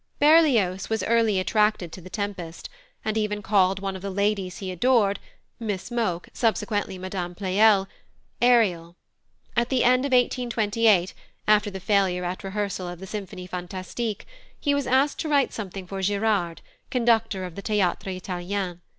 +Berlioz+ was early attracted to The Tempest, and even called one of the ladies he adored Miss Moke, subsequently Mme. Pleyel Ariel. At the end of 1828, after the failure at rehearsal of the Symphonie Fantastique, he was asked to write something for Girard, conductor of the Théâtre Italien.